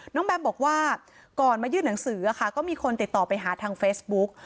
แบมบอกว่าก่อนมายื่นหนังสือก็มีคนติดต่อไปหาทางเฟซบุ๊ก